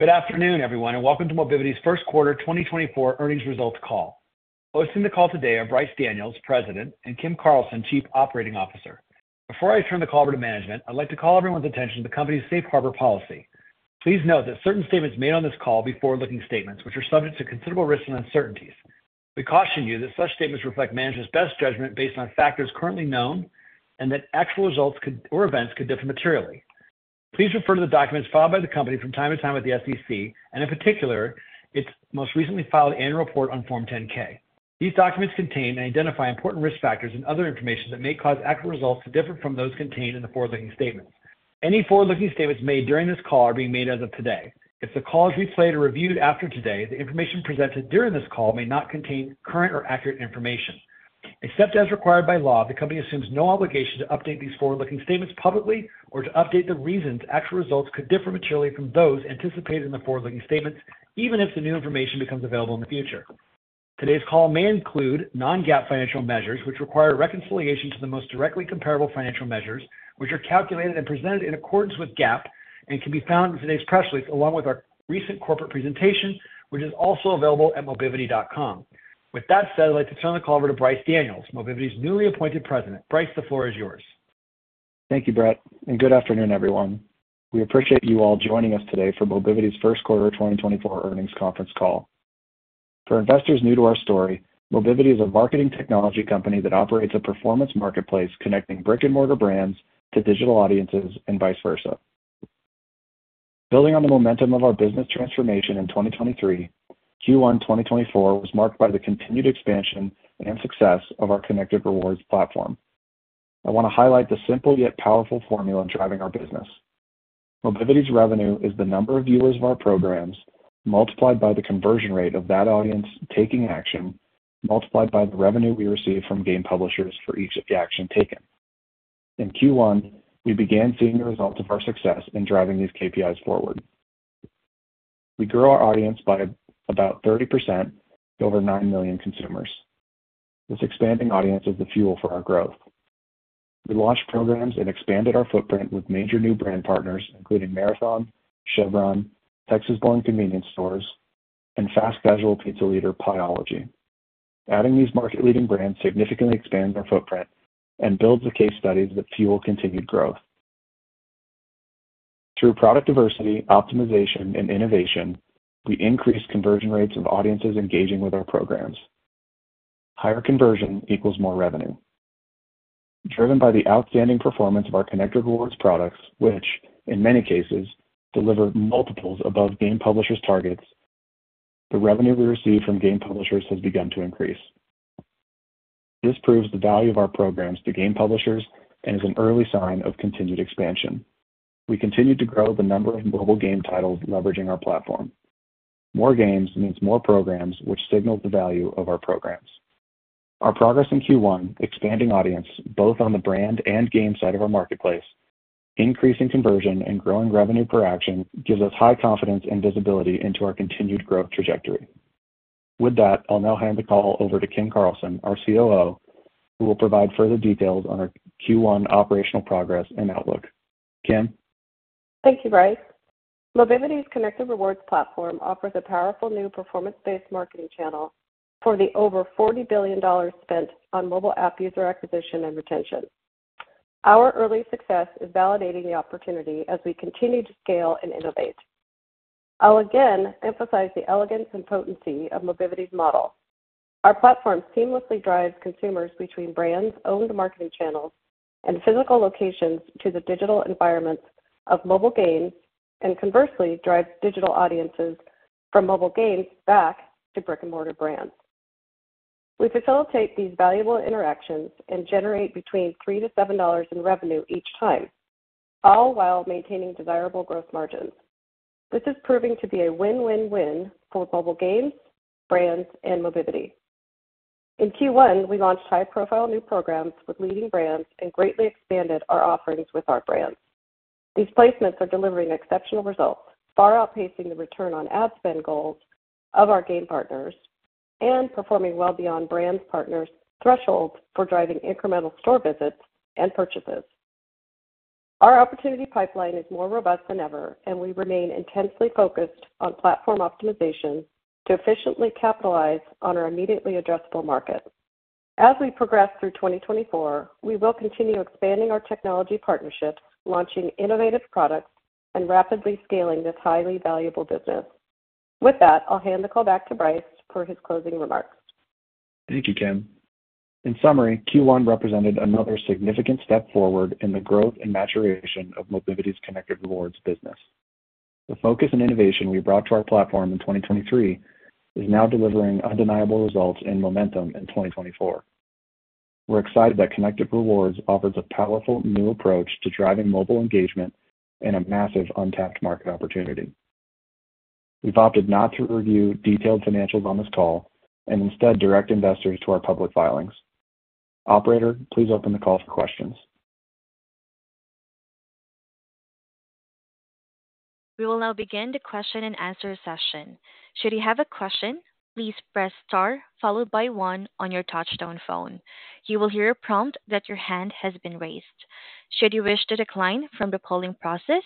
Good afternoon, everyone, and welcome to Mobivity's First Quarter 2024 Earnings Results Call. Hosting the call today are Bryce Daniels, president, and Kim Carlson, chief operating officer. Before I turn the call over to management, I'd like to call everyone's attention to the company's Safe Harbor policy. Please note that certain statements made on this call are forward-looking statements, which are subject to considerable risks and uncertainties. We caution you that such statements reflect management's best judgment based on factors currently known and that actual results could or events could differ materially. Please refer to the documents filed by the company from time to time with the SEC, and in particular, its most recently filed annual report on Form 10-K. These documents contain and identify important risk factors and other information that may cause actual results to differ from those contained in the forward-looking statements. Any forward-looking statements made during this call are being made as of today. If the call is replayed or reviewed after today, the information presented during this call may not contain current or accurate information. Except as required by law, the company assumes no obligation to update these forward-looking statements publicly or to update the reasons actual results could differ materially from those anticipated in the forward-looking statements, even if the new information becomes available in the future. Today's call may include non-GAAP financial measures, which require reconciliation to the most directly comparable financial measures, which are calculated and presented in accordance with GAAP and can be found in today's press release along with our recent corporate presentation, which is also available at mobivity.com. With that said, I'd like to turn the call over to Bryce Daniels, Mobivity's newly appointed president. Bryce, the floor is yours. Thank you, Brett, and good afternoon, everyone. We appreciate you all joining us today for Mobivity's first quarter 2024 earnings conference call. For investors new to our story, Mobivity is a marketing technology company that operates a performance marketplace connecting brick-and-mortar brands to digital audiences and vice versa. Building on the momentum of our business transformation in 2023, Q1 2024 was marked by the continued expansion and success of our Connected Rewards platform. I want to highlight the simple yet powerful formula driving our business. Mobivity's revenue is the number of viewers of our programs multiplied by the conversion rate of that audience taking action multiplied by the revenue we receive from game publishers for each action taken. In Q1, we began seeing the results of our success in driving these KPIs forward. We grew our audience by about 30% to over nine million consumers. This expanding audience is the fuel for our growth. We launched programs and expanded our footprint with major new brand partners, including Marathon, Chevron, Texas Born convenience stores, and fast casual pizza leader Pieology. Adding these market-leading brands significantly expands our footprint and builds the case studies that fuel continued growth. Through product diversity, optimization, and innovation, we increase conversion rates of audiences engaging with our programs. Higher conversion equals more revenue. Driven by the outstanding performance of our Connected Rewards products, which, in many cases, deliver multiples above game publishers' targets, the revenue we receive from game publishers has begun to increase. This proves the value of our programs to game publishers and is an early sign of continued expansion. We continue to grow the number of mobile game titles leveraging our platform. More games means more programs, which signals the value of our programs. Our progress in Q1, expanding audience both on the brand and game side of our marketplace, increasing conversion, and growing revenue per action gives us high confidence and visibility into our continued growth trajectory. With that, I'll now hand the call over to Kim Carlson, our COO, who will provide further details on our Q1 operational progress and outlook. Kim? Thank you, Bryce. Mobivity's Connected Rewards platform offers a powerful new performance-based marketing channel for the over $40 billion spent on mobile app user acquisition and retention. Our early success is validating the opportunity as we continue to scale and innovate. I'll again emphasize the elegance and potency of Mobivity's model. Our platform seamlessly drives consumers between brand-owned marketing channels and physical locations to the digital environments of mobile games and, conversely, drives digital audiences from mobile games back to brick-and-mortar brands. We facilitate these valuable interactions and generate between $3-$7 in revenue each time, all while maintaining desirable gross margins. This is proving to be a win-win-win for mobile games, brands, and Mobivity. In Q1, we launched high-profile new programs with leading brands and greatly expanded our offerings with our brands. These placements are delivering exceptional results, far outpacing the return on ad spend goals of our game partners and performing well beyond brand partners' thresholds for driving incremental store visits and purchases. Our opportunity pipeline is more robust than ever, and we remain intensely focused on platform optimization to efficiently capitalize on our immediately addressable market. As we progress through 2024, we will continue expanding our technology partnerships, launching innovative products, and rapidly scaling this highly valuable business. With that, I'll hand the call back to Bryce for his closing remarks. Thank you, Kim. In summary, Q1 represented another significant step forward in the growth and maturation of Mobivity's Connected Rewards business. The focus and innovation we brought to our platform in 2023 is now delivering undeniable results and momentum in 2024. We're excited that Connected Rewards offers a powerful new approach to driving mobile engagement and a massive untapped market opportunity. We've opted not to review detailed financials on this call and instead direct investors to our public filings. Operator, please open the call for questions. We will now begin the question-and-answer session. Should you have a question, please press star followed by one on your touch-tone phone. You will hear a prompt that your hand has been raised. Should you wish to decline from the polling process,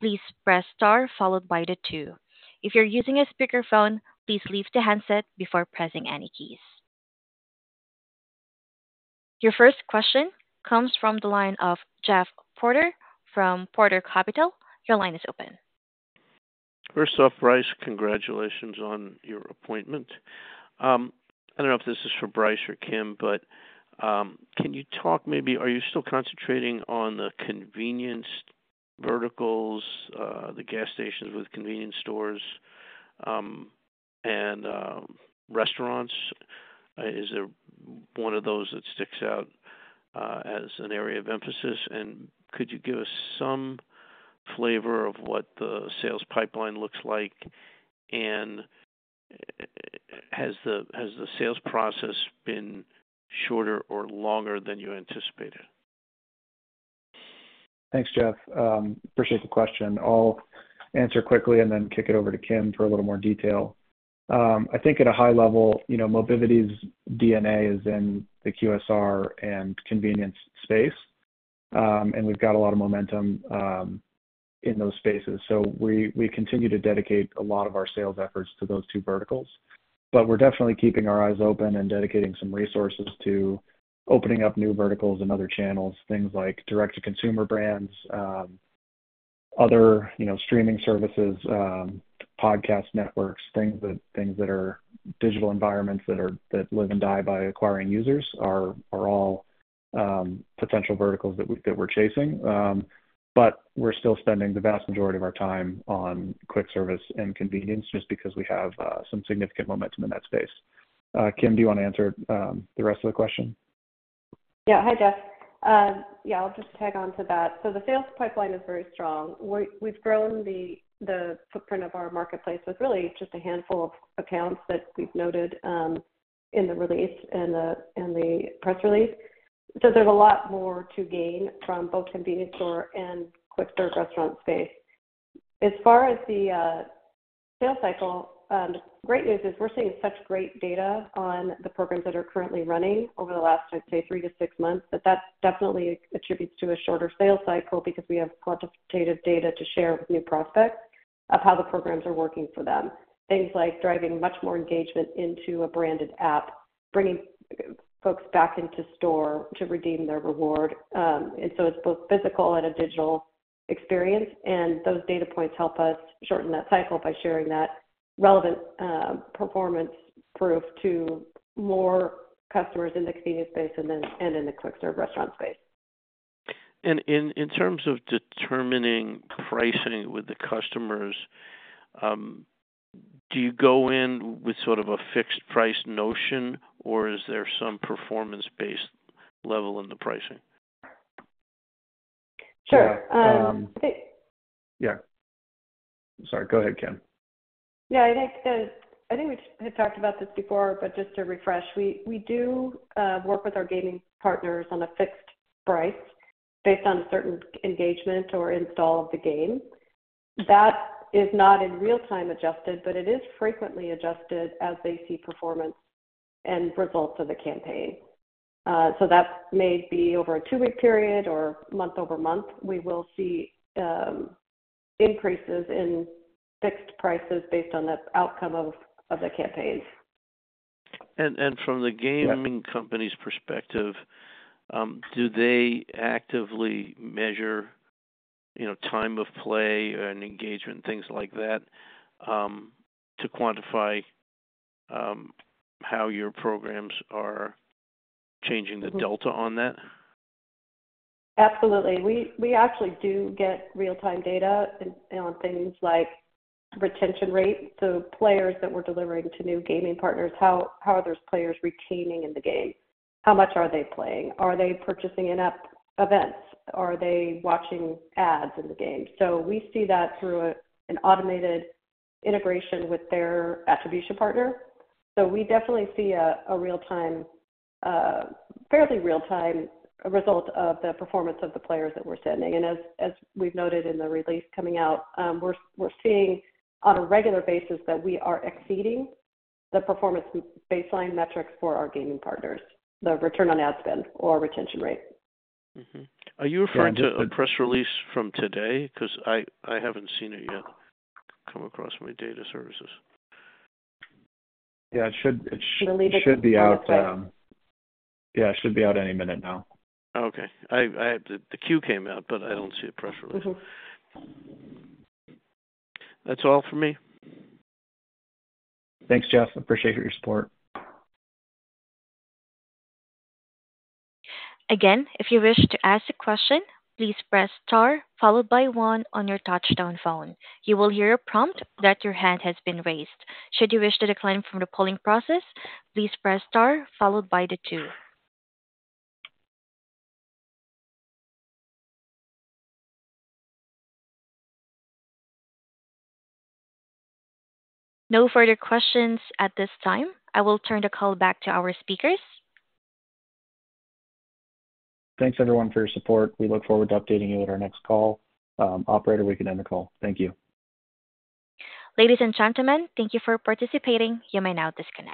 please press star followed by the two. If you're using a speakerphone, please leave the handset before pressing any keys. Your first question comes from the line of Jeff Porter from Porter Capital. Your line is open. First off, Bryce, congratulations on your appointment. I don't know if this is for Bryce or Kim, but can you talk maybe are you still concentrating on the convenience verticals, the gas stations with convenience stores, and restaurants? Is there one of those that sticks out as an area of emphasis? And could you give us some flavor of what the sales pipeline looks like, and has the sales process been shorter or longer than you anticipated? Thanks, Jeff. Appreciate the question. I'll answer quickly and then kick it over to Kim for a little more detail. I think at a high level, Mobivity's DNA is in the QSR and convenience space, and we've got a lot of momentum in those spaces. So we continue to dedicate a lot of our sales efforts to those two verticals, but we're definitely keeping our eyes open and dedicating some resources to opening up new verticals and other channels, things like direct-to-consumer brands, other streaming services, podcast networks, things that are digital environments that live and die by acquiring users are all potential verticals that we're chasing. But we're still spending the vast majority of our time on quick service and convenience just because we have some significant momentum in that space. Kim, do you want to answer the rest of the question? Yeah. Hi, Jeff. Yeah, I'll just tag on to that. So the sales pipeline is very strong. We've grown the footprint of our marketplace with really just a handful of accounts that we've noted in the release and the press release. So there's a lot more to gain from both convenience store and quick service restaurant space. As far as the sales cycle, the great news is we're seeing such great data on the programs that are currently running over the last, I'd say, 3-6 months that that definitely attributes to a shorter sales cycle because we have quantitative data to share with new prospects of how the programs are working for them, things like driving much more engagement into a branded app, bringing folks back into store to redeem their reward. And so it's both physical and a digital experience. Those data points help us shorten that cycle by sharing that relevant performance proof to more customers in the convenience space and in the quick service restaurant space. In terms of determining pricing with the customers, do you go in with sort of a fixed price notion, or is there some performance-based level in the pricing? Sure. I think. Yeah. Sorry. Go ahead, Kim. Yeah. I think we've talked about this before, but just to refresh, we do work with our gaming partners on a fixed price based on a certain engagement or install of the game. That is not in real-time adjusted, but it is frequently adjusted as they see performance and results of the campaign. So that may be over a two-week period or month-over-month. We will see increases in fixed prices based on the outcome of the campaigns. From the gaming company's perspective, do they actively measure time of play and engagement, things like that, to quantify how your programs are changing the delta on that? Absolutely. We actually do get real-time data on things like retention rate. So players that we're delivering to new gaming partners, how are those players retaining in the game? How much are they playing? Are they purchasing in-app events? Are they watching ads in the game? So we see that through an automated integration with their attribution partner. So we definitely see a fairly real-time result of the performance of the players that we're sending. And as we've noted in the release coming out, we're seeing on a regular basis that we are exceeding the performance baseline metrics for our gaming partners, the return on ad spend or retention rate. Are you referring to a press release from today? Because I haven't seen it yet come across in my data services. Yeah. It should be out. I believe it's on the press. Yeah. It should be out any minute now. Okay. The cue came out, but I don't see a press release. That's all from me. Thanks, Jeff. Appreciate your support. Again, if you wish to ask a question, please press star followed by one on your touch-tone phone. You will hear a prompt that your hand has been raised. Should you wish to decline from the polling process, please press star followed by the two. No further questions at this time. I will turn the call back to our speakers. Thanks, everyone, for your support. We look forward to updating you at our next call. Operator, we can end the call. Thank you. Ladies and gentlemen, thank you for participating. You may now disconnect.